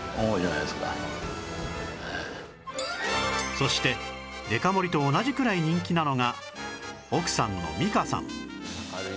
そしてデカ盛りと同じくらい人気なのが奥さんの美香さん